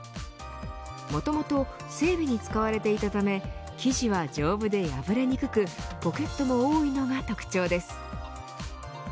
もともと整備に使われていたため生地は丈夫で破れにくくポケットも多いのが特徴です。